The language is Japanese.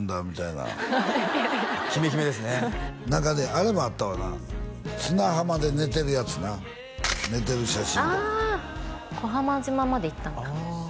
あれもあったわな砂浜で寝てるやつな寝てる写真あ小浜島まで行ったんだあ